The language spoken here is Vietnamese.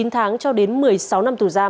chín tháng cho đến một mươi sáu năm tù giam